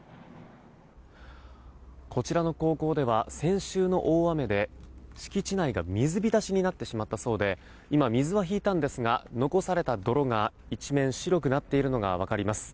こちらの高校では先週の大雨で敷地内が水浸しになってしまったそうで今、水は引いたんですが残された泥が一面白くなっているのが分かります。